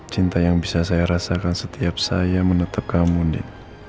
cinta yang bisa saya rasakan setiap saya menetapkan mundi